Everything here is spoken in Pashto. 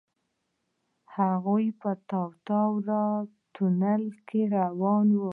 هغوئ په تاو راتاو تونل کې روان وو.